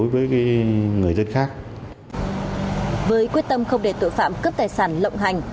với quyết tâm không để tội phạm cướp tài sản lộng hành